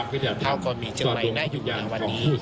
แภวกรมีฯเชียงไม่น่าอยู่ขนาดนี้